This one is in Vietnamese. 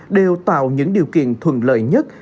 đều tạo những điều kiện thuận lợi nhất